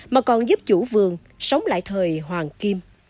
mà còn giúp chủ vườn sống lại thời hoàng kim